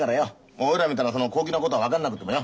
俺らみたいなその高級なことは分かんなくってもよ。